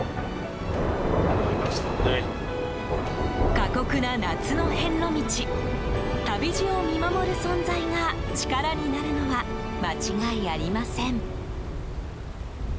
過酷な夏の遍路道旅路を見守る存在が力になるのは間違いありません。